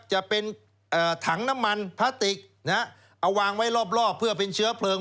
จะเป็นถังน้ำมันพลาสติกเอาวางไว้รอบเพื่อเป็นเชื้อเพลิง